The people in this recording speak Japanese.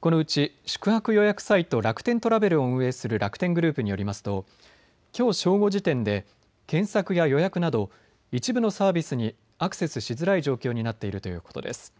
このうち宿泊予約サイト、楽天トラベルを運営する楽天グループによりますときょう正午時点で検索や予約など一部のサービスにアクセスしづらい状況になっているということです。